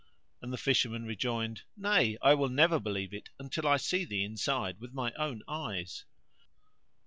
and the Fisherman rejoined, "Nay! I will never believe it until I see thee inside with my own eyes."